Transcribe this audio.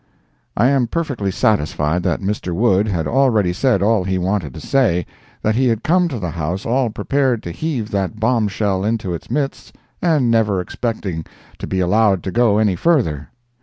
I am perfectly satisfied that Mr. Wood had already said all he wanted to say—that he had come to the House all prepared to heave that bombshell into its midst, and never expecting to be allowed to go any further.